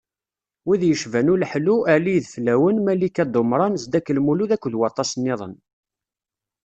Wid yecban Uleḥlu, Ali Ideflawen, Malika Dumran, Zeddek Lmulud akked waṭas-nniḍen.